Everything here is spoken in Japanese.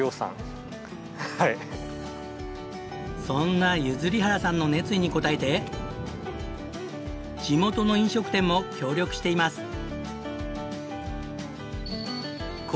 そんな譲原さんの熱意に応えて地元の飲食店も協力しています。